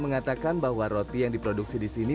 mengatakan bahwa roti yang diproduksi disini